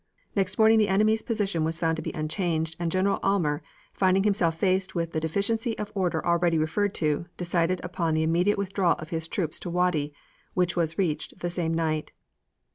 Next morning the enemy's position was found to be unchanged and General Aylmer, finding himself faced with the deficiency of order already referred to, decided upon the immediate withdrawal of his troops to Wadi, which was reached the same night.